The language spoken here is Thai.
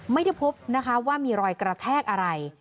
ไม่ได้พบนะคะว่ามีรอยกระแทกอะไร